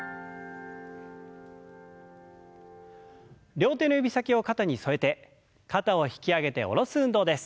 両手の指先を肩に添えて肩を引き上げて下ろす運動です。